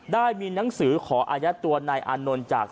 ได้มีหนังสือขออายัดตัวนายอานนท์จาก